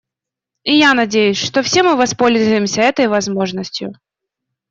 И я надеюсь, что все мы воспользуемся этой возможностью.